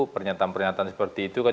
pernyataan pernyataan seperti itu kan